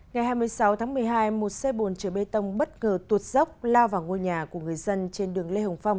ngày hai mươi sáu tháng một mươi hai một xe bồn chở bê tông bất ngờ tuột dốc lao vào ngôi nhà của người dân trên đường lê hồng phong